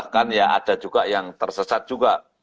dan ya ada juga yang tersesat juga